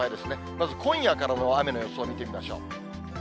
まず今夜からの雨の予想を見てみましょう。